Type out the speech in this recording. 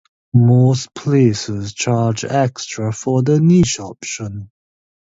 Most places charge extra for the niche option.